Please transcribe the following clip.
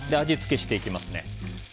味付けしていきます。